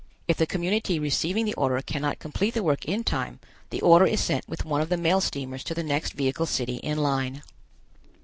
If the community receiving the order cannot complete the work in time, the order is sent with one of the mail steamers to the next vehicle city in line.